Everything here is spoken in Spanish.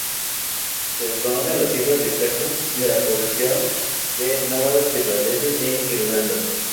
Se desconocen las cifras exactas de la población de nómadas irlandeses en Irlanda.